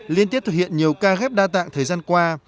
liên tiếp thực hiện nhiều ca ghép đa tạng thời gian qua